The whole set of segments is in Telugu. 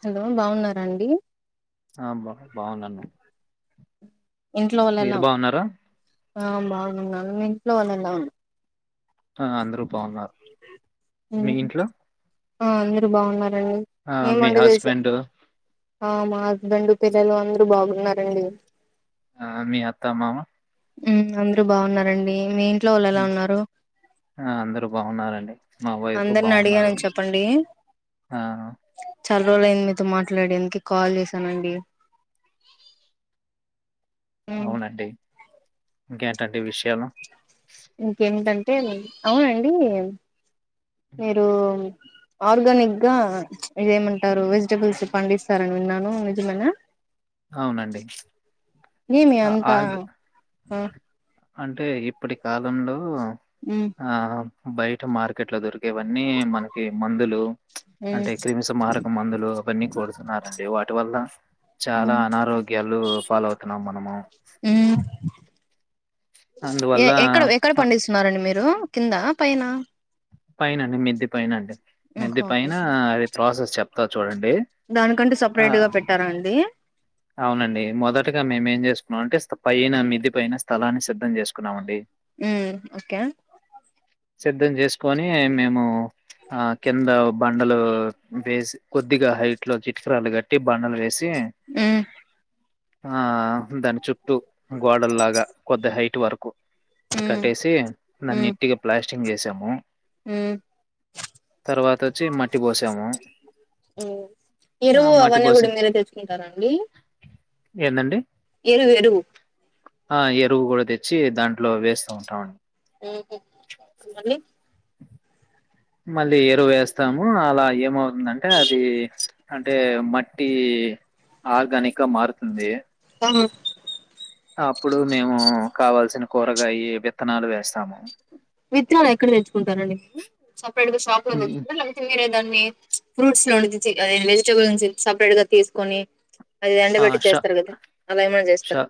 హలో బాగున్నారా అండి ఆ బా బాగున్నాను ఇంట్లో వాళ్ళు మీరు ఎలా బాగున్నారా? ఆ బాగున్నా మీ ఇంట్లో ఎలా వాళ్లు ఉన్ ఆ అందరూ బాగున్నారు హ్మ్. మీ ఇంట్లో ఆ మీరు బాగున్నార ఆ ఏం మీ వంట చేశా హస్బెండ్, ఆ మా హస్బండ్ పిల్లలు అందరు బాగున్నారండి ఆ మీ అత్త మామ యూ అందరు బాగున్నారండి మీ ఇంట్లో వాళ్ళు ఉ ఎలా ఉన్నారు ఆ అందరూ బాగున్నారండి మా వైఫ్ అందరిని బాగున్నారు అడిగానని చెప్పండి ఆ. చాలా రోజులైంది మీతో మాట్లాడి ఎందుకు కాల్ చేశానండి అవునండి ఇంకేంటండి విషయాలు ఇంకేంటంటే అవునండి మీరు ఆర్గానిక్ గా అదేమంటారు వెజిటబుల్స్ పండిస్తారని విన్నాను నిజమేనా అవును అండి ఏమి అంతా ఆ అంటే ఇప్పటి కాలంలో ఉమ్ ఆ బయట మార్కెట్లో దొరికే వన్ని మనకి మందులు ఉచ్ అంటే ఉమ్ క్రిమి సంహారక మందులు అవన్నీ కొడుతున్నారండి వాటి వల్ల చాలా ఉమ్ అనారోగ్యాలు ఫాలో అవుతున్నాం నమో ఊ ఎ అందువల్ల ఎక్కడ ఎక్కడ అ పండిస్తున్నారు అండి మీరు కిందా పైన పైనండి మిద్ది పైనండి ఓకే సార్ చెప్తా చూడండి. దానికంటే ఆ సపరేట్గా పెట్టారా అండి అవునండి మొదటగా మేమేం చేసుకున్నాం అంటే పైన మిద్ది పైన స్థలాన్ని సిద్ధం చేసుకున్నామ అండి ఉ ఓకే సిద్ధం చేసుకొని మేము ఆ కింద బండలు వేసి కొద్దిగా హైట్ లో చిట్క్రాలు కట్టి బండలు వేసి ఊ ఆ దాని చూప్ప గోడల్ లాగా కొది హైట్ వరకు ఉమ్ కట్టేసి దన్ని ఉమ్ ఇట్టిగా ప్లాస్టిక్ కచింగ్ చేసాము తర్వాత వచ్చి మట్టి పోసాము. ఆ ఎరువు మట్టి అవన్నీ కూడా పోసి మీరే తెచ్చుకుంటారండి ఏందండి ఎరువు ఎరువు ఆ ఎరువు కూడా తెచ్చి దాంట్లో వేస్తూ ఉంటామండి ఓడి మళ్ళీ ఎరువు వేస్తాము అలా ఏమవుతుందంటే అది అంటే మట్టి ఆర్గానిక్ గా మారుతుంది ఆ అప్పుడు మేము కావాల్సిన కూరగాయ విత్తనాలు వేస్తాము విత్తనాలు ఎక్కడ నేర్చుకుంటారండి ప్పడు లోద హ్మ్. విారు లేకపోతే మీరే దాన్ని ఫ్రూట్స్ లో ఉం వెజిటబుల్ నుంచి సపరేట్ గా తీసుకొని అది ఆ ఎండబెట్టి ష చేస్తారు కదా అలా ఏమైన్నా ష చేస్తారు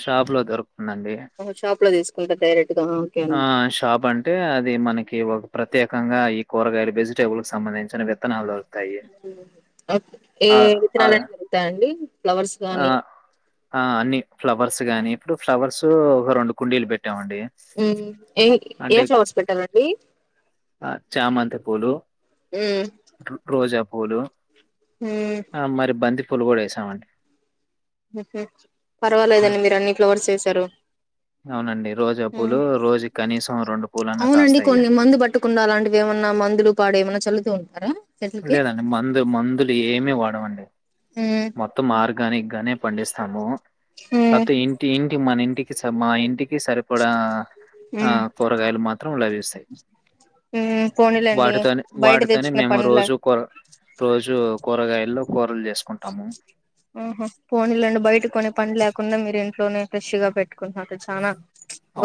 షాప్ లో దొరుకుతుందండి షాప్ లో తీసుకు అంత డైరెక్ట్ దానికే ఆ షాప్ అంటే అది మనకి ఒక ప్ర ప్రత్యేకంగా ఈ కూరగాయలు వ వెజిటేబుల్ క సంబంధించిన విత్తనాలు దొరుకుతాయి అఓకే ఏ ఆ ఆ ఇత్రరాలనే ద జరుగుతా అడి ఫ్లవర్స్ ఆ కాగానీ ఆ అన్ని ఫ్లవర్స్ గాని ఇప్పుడు ఫ్లవర్స్ ఒక రెండు కుండీలు పెట్ ట్టామంటడి మ్మ్ ఏ ఏ ఫ్లో హాస్పిటల్ అండి ఆ చామంత పోలు ఆ రోజా పోలుూ మ్మ్ ఆ మరి బంది ఫలుగూడ వేసమండి హహా పర్వాలేదండి మీరు అన్నిట్లో ఓట్స్ వేసి తరు అవునండి రోజా పూలు హ్మ్మ్ రోజు కనీసం రెండు పూలన్నా అవునండి కాస్తాయి కొన్ని మందు పట్టకుండా అలాంటివి ఏమన్నా మందులు పాడు ఏమన్నా చలుతూ ఉంటా అర లేదండి మందు మందులు ఏమి వాడవండి మ్మ్ మొత్తం ఆర్గానిక్ గానే పండిస్తాము మ్మ్ కాతే ఇంటి ఇంటి మన ఇ సమా మా ఇంటికి సరిపడా మ్మ్ కూరగాయలు మాత్రం లభిస్తాయి మ్మ్ పోనీలేండి వాటితో బయట వాటితోనే తెచ్చుకునే మెమ పనిలే రోజు కూర రోజు కూరగాయలు కూరలు చేస్తాము ఓహో పోనీలే అండి బయట కొనే పని లేకుండా కుండా మీరు ఇంట్లోనే ఫ్రెష్ గా పెట్టుకున్నారు చానా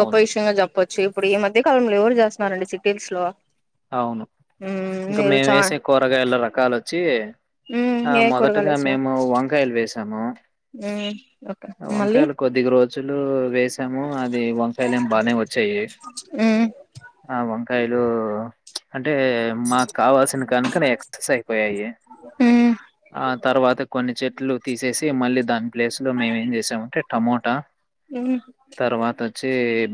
గొప్ప విషయంగా చెప్పొచ్చు ఇప్పుడు ఈ మధ్య కాలంలో ఎవరు చేస్త నండి సిటీస్ లో అవును మ్మ్ ఇంకా మీరు మేము చా వేసే కూరగాయల రకాలు వచ్చి ఆ మ్మ్ ఏ మొదటి కూరగాయలు ఇంకా వేసినారు మేము వంకాయలు వేసాము మ్మ్ ఓకే ఆ మళ్ళీ వంకాయలు కొద్దిగా రోజులు వేసాము అది వంకాయలు ఏమి బానే వచ్చాయి మ్మ్ ఆ వంకాయలు అంటే మాకు కావలసిన గనుక ఎక్సర్స్ అయిపోయాయి మ్మ్ ఆ తర్వాత కొన్ని చెట్లు తీసేసి మళ్ళీ దాని ప్లేస్ లో మేము ఏమి చేశాము అంటే టమోటా మ్మ్ తర్వాత వచి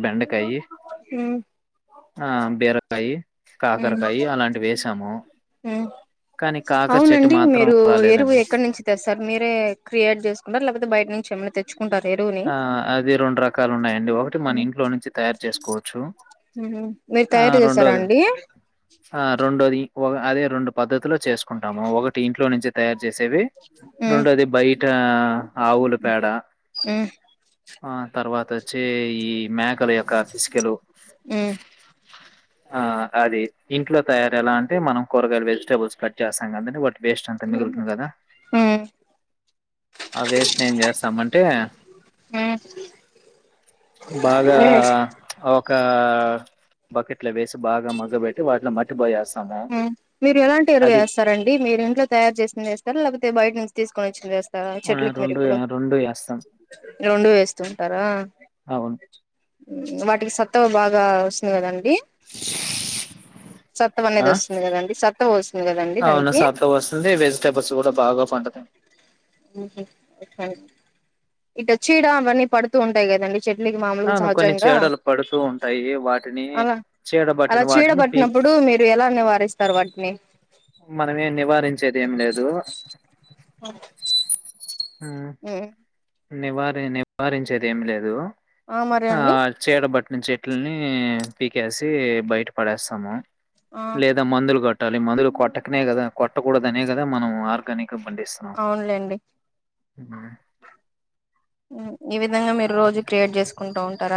బెండకాయి మ్మ్ బీరకా అయి హ్మ్మ్ హ్మ్మ్ కానీ కాకర చెట్టు అవునండి మాత్రం మీరు ఎరువు రాలేదండి. ఎక్కడి నుంచి తెస్తారు మీరే క్రియేట్ చేసుకుంటారు లేకపోతే బయట నుంచి ఏమన్న తెచ్చు ఆ అది రెండు రకాలు ఉన్నాయండి ఒకటి మన ఇంట్లో నుంచి తయారు చేసుకోవచ్చు హ్మ్మ్ మీరు ఆ తయారు చేసారా రెండోది అండి ఆ రెండోది ఆర్ అదే రెండు పద్దధతిలో చేసుకుంటాము ఒకటి ఇంట్లో నుంచి తే చేసేవి మ్మ్ రెండోది బయట ఆవులు పేడ మ్మ్ ఆ తర్వాత చేయి మేకల యొక్క పిసుకలు మ్మ్ ఆ అది ఇంట్లో తయార ఎలా అంటే మనం కూరగాయలు వెజిటబుల్స్ కట్ చేస్తాం ఒకటి వేస్ట్ అంత మేము మిగుతుంది కదా ఆ వేస్ట్ ని ఏం చేస్తామంటే బాగా ఔ ఒక బకెట్లో వేసి బాగా మగ్గపెట్టి వాటిలో మట్టిపోయేస్త ఉ మీరు ఎలాంటి ఎరువు వేస్తారండి మీరు ఇంట్లో తయారు చేసింది వేస్తారా లేకపోతే బయట నుంచి తీసుకోవచ్చు వేస్తారా ఆ, చెట్లకి మీరు రెండు ఇప్పుడు రెండు వేస్తాం రెండు వేస్తుంటారా అవును వాటికి సత్తు బాగా వస్తాది కదా అంతా సత్ ఆ అవునా దానికి సక్కగా వస్తుంది వెజిటేబుల్స్ కూడా బాగా పండుతాయి ఇక చీడ అవన్నీ పడుతూ ఉంటాయి కదండి చెట్లకి మామలుగా అవును కొన్ని సహజంగా చీడలు పడుతూ ఉంటాయి వాటిని అలా అలా చీడబట్టిన చీడ వాటిని పీ పట్టినప్పుడు మీరు ఎలా నివారిస్తారు వాటిని అ గేటు సౌండ్ ఆ నివారిణి నివారించేది ఏం లేదు మరి ఆ అండి చీడ బట్టి చెట్లని పీకేసి బయట పడేస్తాము ఆ లేదా మందులు కొట్టు కొట్టాలి మందులు కొట్టకనే కదా కొట్టకూడదనే కదా మనం ఆర్గానిక్ అవునులేండి అ ఈ విధంగా మీరు రోజు క్రియేట్ చేసుకుంటూ ఉంటాం అత్తర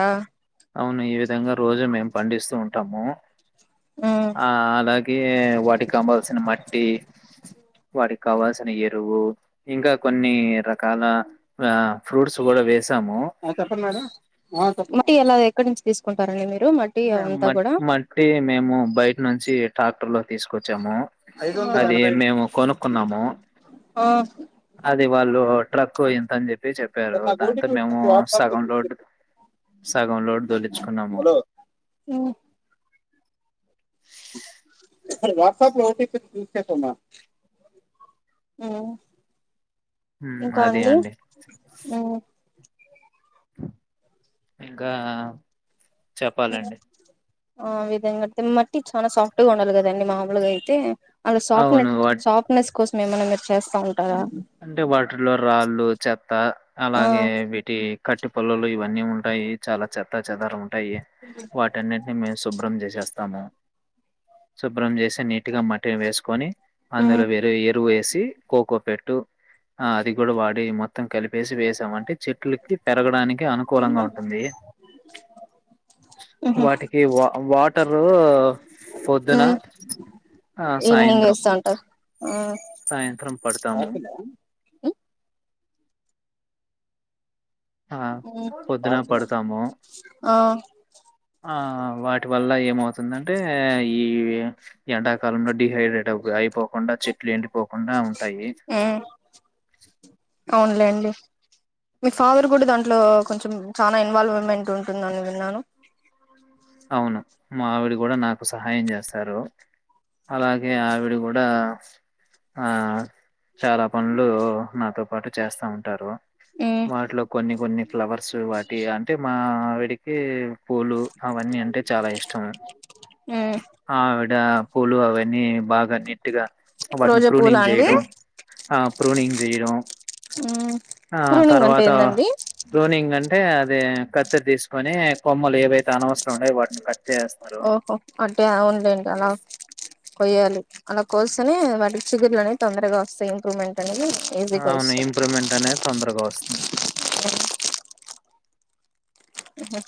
అవును ఈ విధంగా రోజు మేం పండిస్తూ ఉంటాము ఆ అలాగే వాటికి అవాల్సిన మట్టి వాటికి కావాల్సిన ఎరువు ఇంకా కొన్ని రకాల ఫ్రూట్స్ ఆ కూడా వేసి ఆ చెప్పండి మేడం ఇంటిలో ఎక్కడి నుంచి తీసుకుంటారండి మీరు మట్టి అవంతా మట్టి కూడా మట్టి మేము బయట నుంచి ట్రాక్టర్ లో తీసుకొచ్చి వచ్చాము ఐదు వందల అది మేము కొనుక్కున్నాము ఆ అది వాళ్ళు ట్రక్ ఎంత అని చెప్పి చెప్పారు సార్ నాకు దాంతో ఓటీపీ మేము ఉంటుంది వాట్సాప్ లో సగం చూసి లోడ్ సగం లోడ్ తొలించుకున్నాము హలో వాట్సప్ లో ఒకటిూసమా హ్మ్, ఇంకా అది అండి ఇంకా చెప్పాలండి ఆ విధంగా కడితే మట్టి చాలనా సాఫ్ట్ గా ఉండాలి కదండి మామూలుగా అయితే అంత సాఫట్నె అవును వా సాఫట్నెస్ కోసం ఏమైన్నా మీరు చేస్తా ఉ అంటే వాటిలో రాళ్ళు చెత్త ఆ అలాగే వీటి కట్టు పల్లలు ఇవన్నీ ఉంటాయి చాలా చెత్త పచ్చదర ఉంటాయి వాటిన్నిటిని మేము శుభ్రం చేసేస్తాము సుబ్రం చేైస నట్ మట్టిగా మట్టిని వేసుకొని ఉమ్ అందులోరు ఎరువు వేసి కోకో పెట్టు ఆ అది కూడా వాడి మొత్తం కలిపి వేసి వేసాం అంటే చెట్లకి పెరగడానికి అనుకూలంగా ఉంటుంది ఉహు వాటికి వా వాటరు పొద్దున ఉమ్ ఆ ఈవినింగ్ సాయంత్రం వేస్తా ఉంటారు ఆ సాయంత్రం పడతాము ఆహ్, పొద్దున పడతాము. ఆ ఆ! వాటి వల్ల ఏమవుతుందంటే ఈ ఎండాకాలంలో డిహైడ్రేట్ అ అయిపోకుండా చెట్లు ఎండిపోకుండా ఉంటాయి అవునులే అండి మీ ఫాదర్ కూడా దాంట్లో కొంచెం చాలా ఇన్వాల్వ్మెంట్ ఉంటుందని విన్నాను అవును మా ఆవిడి కూడా నాకు సహాయం చేస్తారు అలాగే ఆవిడ కూడా ఆ చాలా పనులు నాతో పాటు చేస్తా ఉంటారు ఉమ్ వాటిలో కొన్ని కొన్ని ఫ్లవర్స్ వాటి అంటే మా పో అవన్నీ అంటే చాలా ఇష్టం ఉమ్ ఆవిడ పూలు అవన్నీ బాగా వాటిని రోజా పూలా ప్రూనింగ్ అండి చేయడం ఆ ప్రూనింగ్ చేయడం ఉమ్ ఆ ప్రూనింగ్ అంటే తర్వాత ఏందండి ప్రూనింగ్ అంటే అంటే అది కత్త్తరి తీసుకొని కొమ్మలు ఏవైతే స్ానవరం ఉండయి వాటిని చేస్తారు ఓహో అంటే అవుండేంటి అలా కొయ్యాలి అలా కోస్తేనే వాటికి చిగుర్లు అనేవి తొందరగా వస్తాయి ఇంప్రూవ్మెంట్ అనేది ఈజీగా అవును వస్తుంది ఇంప్రూవ్మెంట్ అనేది తొందరగా వస్తుంది అహ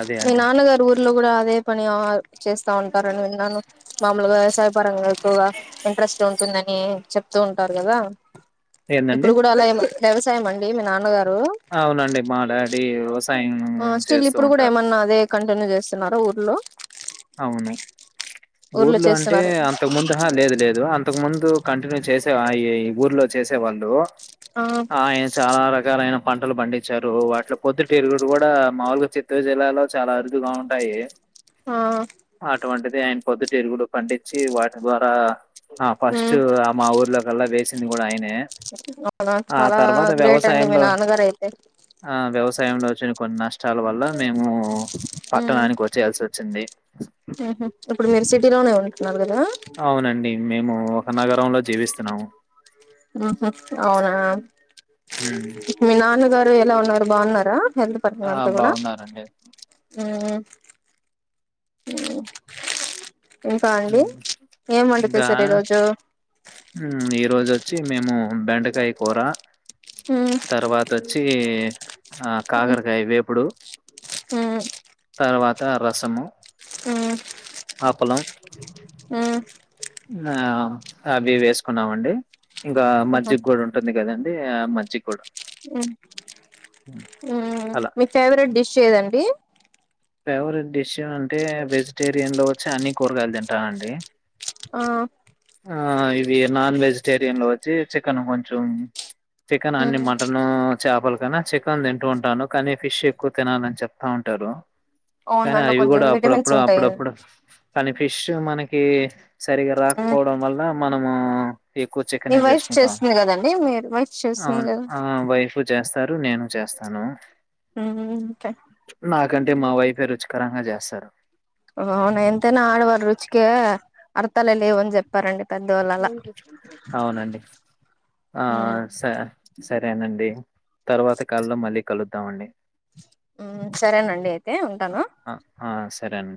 అదే మీ అండి నాన్నగారు ఊర్లో కూడా అదే పన్ ఏమో చేస్తా ఉంటారని విన్నాను మామూలుగా వ్యవసాయ పరంగా ఎక్కువగా ఇంట్రెస్ట్ ఉంటుందని చెప్ త్తు ఉంటారు కదా ఏందండి ఇప్పుడు కూడా అలా ఏమ వ్యవసాయం అండి మీ నాన్నగా అవునండి మా డాడీ వ్యవసాయం ఆ స్టిల్ చేస్తూ ఇప్పుడు కూడా ఉంటారు ఏమన్నా అదే కంటిన్యూ చేస్తున్నారా ఊర్లో అవును ఊర్లో అంటే అంతకు ముందు హ లేదు లేదు అ తకు ముందు కంటిన్యూ చేసే ఆ ఈ ఊర్లో చేసే వాళ్ళు ఆ ఆయిన్ చాలా ర కాలైన పంటలు పండించారు వాటిలో పొద్దు తిరుగుడు కూడా మామూలుగా చిత్తూరు జిల్లాలో చాలా అరుదుగా ఉంటాయి ఆ టువంటిది ఆయన పొద్దుతిరుగుడు పండించి వాటి ద్వారా ఆ ఫస్ట్ ఉమ్ అమ ఊర్ ల్లో కల్లా వేసింది కూడా ఆయనే అవునా ఆ చాలా తర్వాత గ్రేట్ అండి మీ వ్యవసాయంలో నాన్నగారు అయితే సయంలో వచ్చిన కొన్ని నష్టాల వల్ల మేము ఉమ్ పట్టణానికి వచ్చేయ్యాల్సిసో చ్చింది నాలుగద అవునండి మేము ఒక నగరంలో జీవిస్తున్నాము మ్ హు అవునా ఉమ్. మీనాన గర్ ఎలా ఉన్నారు బాగున్నారా హెల్త్ పరంగా ఆ అంతా కూడా బాగున్నారండి ఉ హు ఇంకా అండి ఉమ్. ఏం వంట ఇంకా చెసారు ఈరోోజు చ్చి మేము బెండకాయ్ కూర మ్మ్ తర్వాత చ్చి ఆ కాకరకాయ వేపుడు హు తర్వాత రసము మ్మ్ ఆపలం మ్మ్ ఆ అవి వేసుకున్నామండి ఇంక ఆహా మజ్జిగ కూడ ఉంటుంది కదండి అదే మజ్జిగ్ గూడ మ్మ్ మీ ఫేవ్రెట్ డిష్ ఏదండి ఫేవరెట్ డిష్ అంటే వెజిటేరియన్ లో వచ్చి అన్ని కూరగాయలు తింటానండి ఆ అ ఇవి నాన్ వెజిటేరియన్లో వచ్చి చికెన్ కొంచెం చికెన్ అన్ని మ్మ్ మటన్ చేపలు కన్నా చికెన్ తింటూ ఉంటాను కానీ ఫిష్ ఎక్కువ తినాలని చెప్తూ ఉంటారు అవును కానీ దాంట్లో అవి కూడ కొంచెం విటమిన్స్ అప్పుడప్పుడు ఉంటాయన్ అప్పుడప్పుడు కానీ ఫిష్ ఫిష్ మనకి సరిగ రాక్పోవడం వల్ల మనం మో ఈ వైఫ్ చేస్తుంది కదండి మీర్ వైఫ్ చేస్తుంది కద స్తారు నేను చేస్తాను ఉమ్ ఒకె ఆ గండ్ అంటే మా వైఫె రుచికరంగ చేస్తారు. అ అవున ఎంతైనా ఆడవాారు రుచిికే అర్థాలే లేవుని చెప్పారండి పెద్దవాళ్ళు అలా అవునండి ఆ మ్మ్ శ సరేనండి తర్వాత కాల్లో మళ్ళీ కలుద్దామండి ఉమ్ సరేనండి అయితే అ ఉంటాను అ ఆ! సరేనండి.